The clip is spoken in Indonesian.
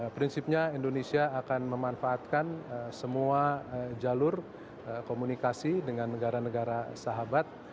prinsipnya indonesia akan memanfaatkan semua jalur komunikasi dengan negara negara sahabat